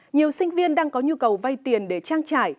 nhiều sinh viên đang có nhu cầu vay tiền để trang trải